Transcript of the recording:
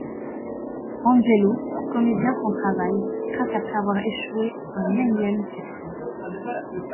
Angelo, comédien sans travail, craque après avoir échoué à un énième casting.